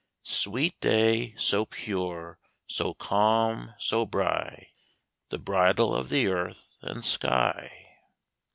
Sweet day, so pure, so calm, so brigh' The bridal of the earth and sky.